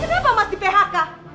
kenapa mas di phk